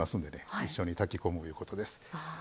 一緒に炊き込むいうことです。